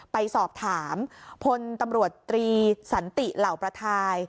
ไปสอบถามพลตำรวจตรีสันติเหล่าประทาย